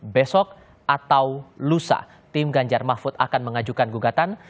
besok atau lusa tim ganjar mahfud akan mengajukan gugatan